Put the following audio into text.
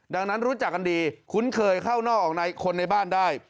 ดังนั้นรู้จักกันดีคุ้นเคยเข้านอกออกในคนในบ้านได้